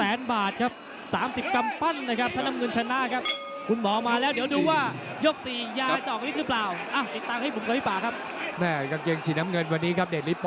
เอ้ามีเฮมีฮมีฮุยเริ่มขยับเข้ามาเหมือนกันนะครับ